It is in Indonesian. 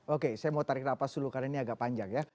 oke saya mau tarik napas dulu karena ini agak panjang ya